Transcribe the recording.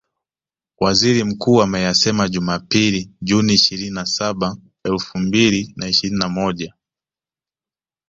Waziri Mkuu ameyasema Jumapili Juni ishirini na saba elfu mbili na ishirini na moja